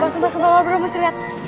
sumpah sumpah lo berdua mesti liat